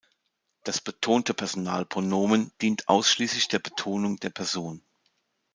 Das betonte Personalpronomen dient ausschließlich der Betonung der Person.